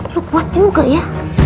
lo kuat juga ya